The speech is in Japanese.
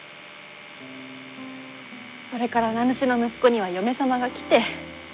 それから名主の息子には嫁様が来て。